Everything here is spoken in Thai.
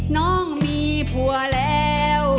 น้องมีผัวแล้ว